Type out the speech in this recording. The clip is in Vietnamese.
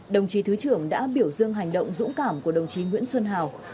đồng chí thứ trưởng đã biểu dương hành động dũng cảm của đồng chí nguyễn xuân hào